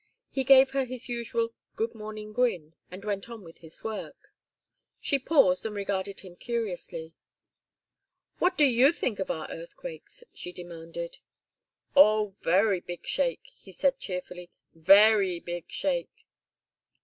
He gave her his usual good morning grin and went on with his work. She paused and regarded him curiously. "What do you think of our earthquakes?" she demanded. "Oh, very big shake," he said, cheerfully. "Very big shake."